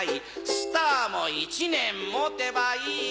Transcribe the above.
スターも１年持てばいい